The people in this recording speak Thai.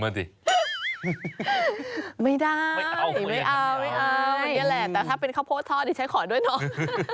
ไม่ได้ไม่เอามันก็แหละแต่ถ้าเป็นข้าวโพสท่อดิฉันขอด้วยน้อง